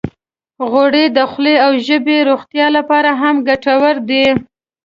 غوړې د خولې او ژبې روغتیا لپاره هم ګټورې دي.